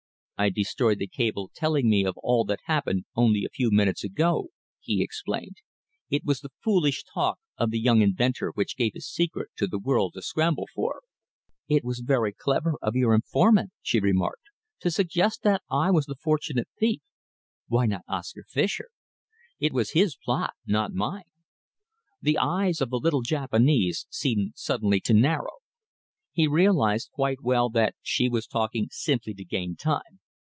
"I destroyed the cable telling me of all that happened only a few minutes ago," he explained. "It was the foolish talk of the young inventor which gave his secret to the world to scramble for." "It was very clever of your informant," she remarked, "to suggest that I was the fortunate thief. Why not Oscar Fischer? It was his plot, not mine." The eyes of the little Japanese seemed suddenly to narrow. He realised quite well that she was talking simply to gain time.